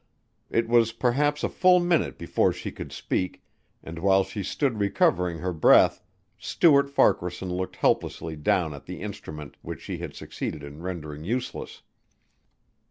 It was perhaps a full minute before she could speak and while she stood recovering her breath, Stuart Farquaharson looked helplessly down at the instrument which she had succeeded in rendering useless.